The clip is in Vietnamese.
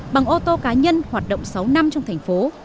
bằng ô tô cá nhân hoạt động sáu năm trong thành phố